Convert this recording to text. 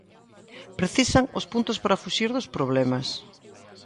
Precisan os puntos para fuxir dos problemas.